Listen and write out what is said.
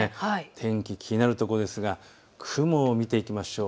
天気、気になるところですが、雲を見ていきましょう。